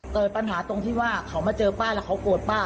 เกิดปัญหาตรงที่ว่าเขามาเจอป้าแล้วเขาโกรธป้า